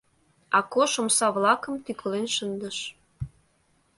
Акош омса-влакым тӱкылен шындыш.